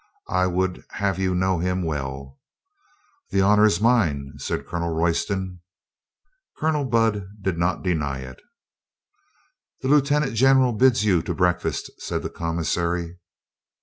I would have you know him well." "The honor is mine," said Colonel Royston. Colonel Budd did not deny it. "The lieutenant general bids you to breakfast," said the commissary.